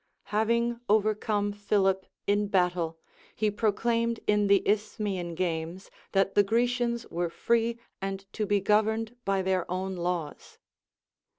Having overcome Philip in battle, he proclaimed in the Isthmian games that the Grecians were free and to be governed by their own laws.